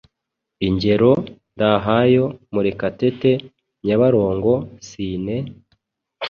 Ingero: Ndahayo, Murekatete, Nyabarongo, Sine,